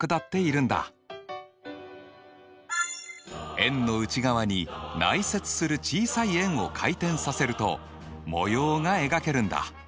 円の内側に内接する小さい円を回転させると模様が描けるんだ。